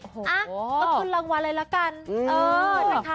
โอ้โหต้องคุณรางวัลอะไรละกันเออ